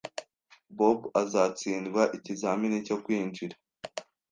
Bob azatsindwa ikizamini cyo kwinjira